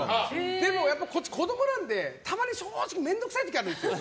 でも、こっち子供なんで、たまに正直、面倒くさい時あるんですよ。